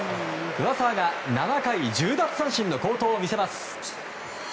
上沢が７回１０奪三振の好投を見せます。